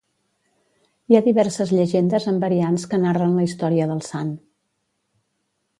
Hi ha diverses llegendes amb variants que narren la història del sant.